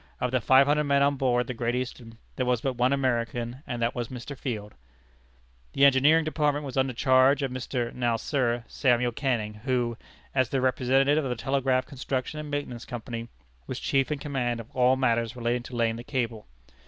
Of the five hundred men on board the Great Eastern, there was but one American, and that was Mr. Field. The engineering department was under charge of Mr. (now Sir) Samuel Canning, who, as the representative of the Telegraph Construction and Maintenance Company, was chief in command of all matters relating to laying the cable.